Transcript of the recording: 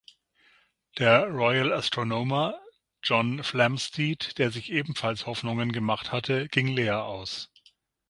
Der Royal Astronomer John Flamsteed, der sich ebenfalls Hoffnungen gemacht hatte, ging leer aus.